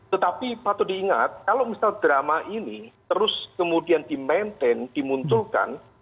tetapi patut diingat kalau misal drama ini terus kemudian di maintain dimunculkan